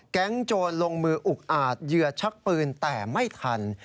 โจรลงมืออุกอาจเหยื่อชักปืนแต่ไม่ทัน